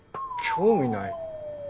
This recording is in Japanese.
興味ない？